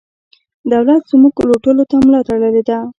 دولت زموږ لوټلو ته ملا تړلې ده.